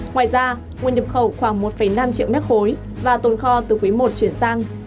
ngoài ra nguồn nhập khẩu khoảng một năm triệu m ba và tồn kho từ quý i chuyển sang